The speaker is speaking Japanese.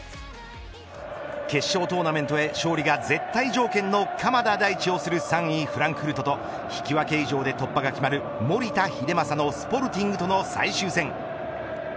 決勝トーナメントへ勝利が絶対条件の鎌田大地を擁する３位フランクフルトと引き分け以上で突破が決まる守田英正のスポルティングとの最終戦。